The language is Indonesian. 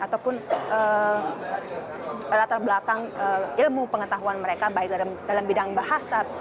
ataupun latar belakang ilmu pengetahuan mereka baik dalam bidang bahasa